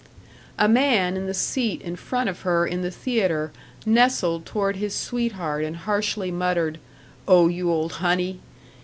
A man in the seat in front of her in the theater nestled toward his sweetheart and harshly muttered, "Oh you old honey!"